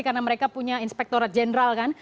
karena mereka punya inspektorat general kan